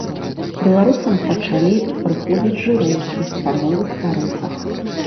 Беларусам пачалі прыходзіць жыроўкі па новых тарыфах.